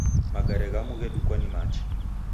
Magare ghamu ghedukwa ni machi.